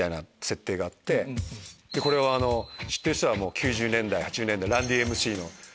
これは知ってる人は９０年代８０年代。